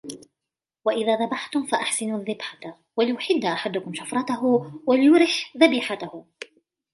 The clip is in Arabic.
وَإِذَا ذَبَحْتُمْ فَأَحْسِنُوا الذِّبْحَةَ، وَلْيُحِدَّ أَحَدُكُمْ شَفْرَتَهُ وَلْيُرِحْ ذَبِيحَتَهُ